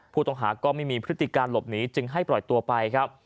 ผู้ต้องหาก็ไม่มีพฤติการหลบหนีจึงให้ปล่อยตัวไปครับ